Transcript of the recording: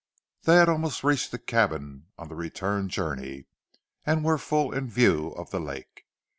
They had almost reached the cabin on the return journey and were full in view of the lake.